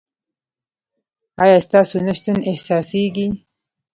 ایا ستاسو نشتون احساسیږي؟